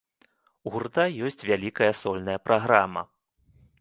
У гурта ёсць вялікая сольная праграма.